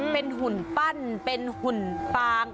เป็นหุ่นปั้นเป็นหุ่นปาง